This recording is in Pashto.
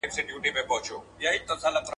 سوسياليستي مفکوره شخصي ملکيت نه مني.